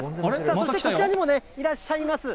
そしてこちらにもいらっしゃいます。